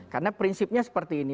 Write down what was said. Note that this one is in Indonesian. karena prinsipnya seperti ini